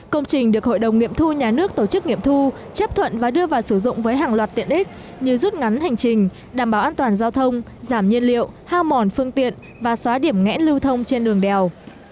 công trình được hội đồng nghiệm thu nhà nước tổ chức nghiệm thu chấp thuận và đưa vào sử dụng với hàng loạt tiện ích như rút ngắn hành trình đảm bảo an toàn giao thông giảm nhiên liệu hao mòn phương tiện và xóa điểm ngẽn lưu thông trên đường đèo